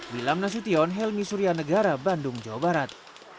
wilam nasution helmi surya negara bandung jawa barat